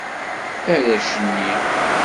Arrac-nni.